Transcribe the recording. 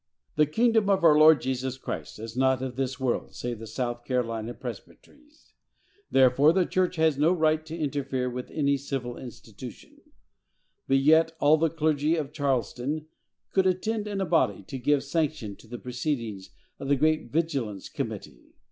The kingdom of our Lord Jesus Christ is not of this world, say the South Carolina Presbyteries; therefore, the church has no right to interfere with any civil institution; but yet all the clergy of Charleston could attend in a body to give sanction to the proceedings of the great Vigilance Committee.